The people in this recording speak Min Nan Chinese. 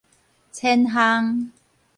淺烘